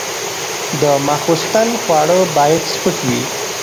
د ماخوستن خواړه باید سپک وي.